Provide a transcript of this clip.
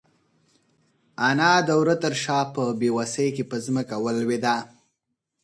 انا د وره تر شا په بېوسۍ کې په ځمکه ولوېده.